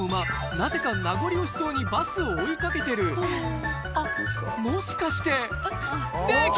なぜか名残惜しそうにバスを追い掛けてるあっもしかしてねぇ君！